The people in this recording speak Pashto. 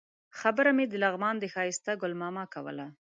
خبره مې د لغمان د ښایسته ګل ماما کوله.